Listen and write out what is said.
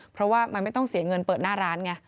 เพราะว่ามันไม่ต้องเสียเงินเปิดหน้าร้านไง